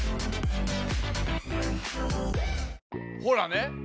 ほらね！